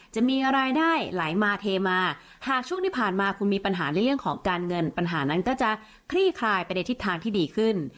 จะมีรายได้ไหลมาเทมาหากช่วงที่ผ่านมาคุณมีปัญหาในเรื่องของการเงินปัญหานั้นก็จะคลี่คลายไปในทิศทางที่ดีขึ้น